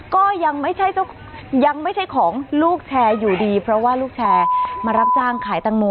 ก็ยังไม่ใช่ยังไม่ใช่ของลูกแชร์อยู่ดีเพราะว่าลูกแชร์มารับจ้างขายตังโม